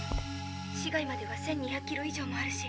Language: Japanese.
市外までは１，２００キロ以上もあるし